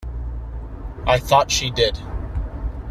I thought she did.